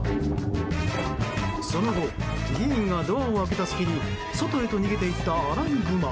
その後、議員がドアを開けた隙に外へと逃げていったアライグマ。